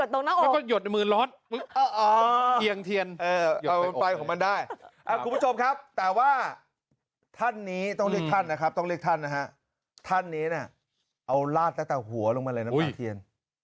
ท่านนี้เนี่ยเอาลาดตั้งแต่หัวลงมาเลยนะฟ้าเทียน